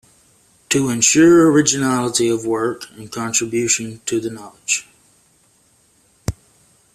To ensure originality of work and contribution to the knowledge.